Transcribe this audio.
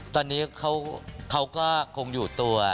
ตอนนี้เขาก็คงอยู่ตัว